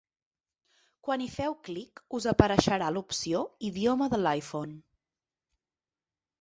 Quan hi feu clic, us apareixerà l’opció “Idioma de l’iPhone”.